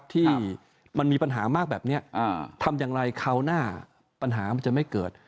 ที่มันมีปัญหามากแบบนี้ทำอย่างไรคราวหน้าปัญหามันจะไม่เกิด